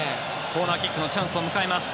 コーナーキックのチャンスを迎えます。